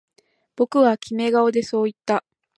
僕はキメ顔でそう言った